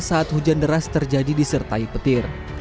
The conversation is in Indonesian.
saat hujan deras terjadi disertai petir